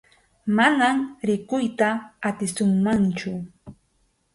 Manam rikuyta atisunmanchu.